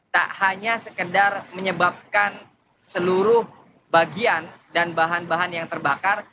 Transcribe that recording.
tak hanya sekedar menyebabkan seluruh bagian dan bahan bahan yang terbakar